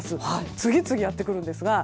次々やってくるんですが。